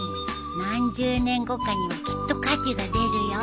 何十年後かにはきっと価値が出るよ。